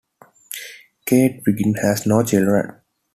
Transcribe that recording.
Kate Wiggin had no children.